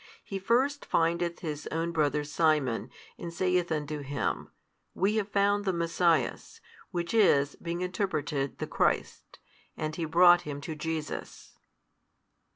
He first findeth his own brother Simon, and saith unto him, We have found the Messias, which is, being interpreted, the Christ. And he brought him to Jesus.